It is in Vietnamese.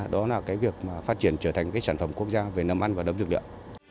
đó là việc phát triển trở thành sản phẩm quốc gia về nấm ăn và nấm dược điệu